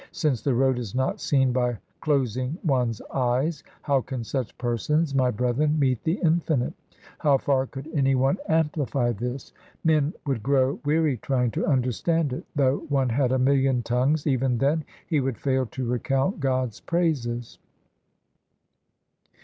Since the road is not seen by closing one's eyes, How can such persons, my brethren, meet the Infinite ? 1 How far could any one amplify this ? Men would grow weary trying to understand it. Though one had a million tongues, Even then he would fail to recount God's praises.